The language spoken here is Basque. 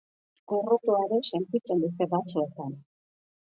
Gorrotoa ere sentitzen dute batzuetan.